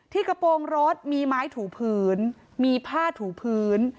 กระโปรงรถมีไม้ถูพื้นมีผ้าถูพื้น